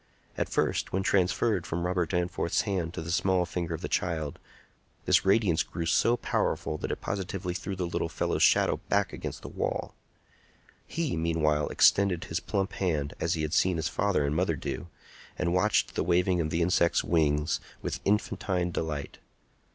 At first, when transferred from Robert Danforth's hand to the small finger of the child, this radiance grew so powerful that it positively threw the little fellow's shadow back against the wall. He, meanwhile, extended his plump hand as he had seen his father and mother do, and watched the waving of the insect's wings with infantine delight.